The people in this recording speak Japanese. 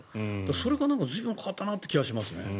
それが、随分変わったなという気がしますね。